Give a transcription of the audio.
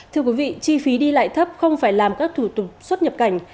thưa quý vị chi phí đi lại thấp không phải làm các thủ tục xuất nhập cảnh